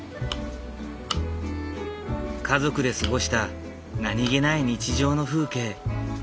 家族で過ごした何気ない日常の風景。